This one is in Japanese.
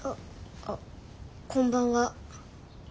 あこんばんは。